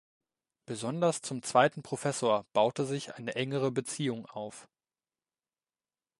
Besonders zum zweiten Professor baute sich eine engere Beziehung auf.